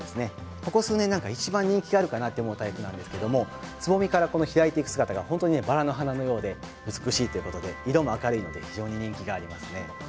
ここ数年いちばん人気があるかなと思うタイプなんですがつぼみから開いていく姿がバラの花のようで美しいということで色、も明るくて非常に人気がありますね。